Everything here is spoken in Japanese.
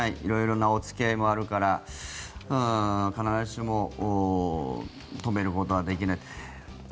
色々なお付き合いもあるから必ずしも止めることはできない。